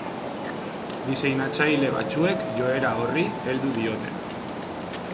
Diseinatzaile batzuek joera horri heldu diote.